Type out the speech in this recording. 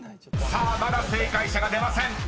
［さあまだ正解者が出ません］